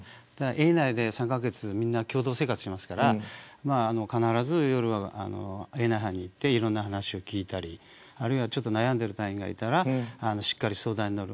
営内でみんな共同生活しますから必ず夜は営内班に行って話を聞いたり悩んでいる隊員がいたらしっかり相談に乗る。